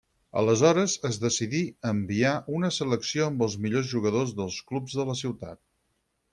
Aleshores es decidí enviar una selecció amb els millors jugadors dels clubs de la ciutat.